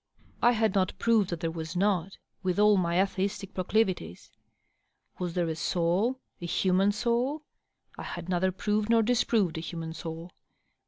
I had not proved that there was noty with all my atheistic proclivities. Was there a soul — ^a human soul ? I had neither proved nor disproved a human soul.